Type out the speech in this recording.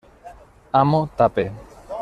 Amo, tape.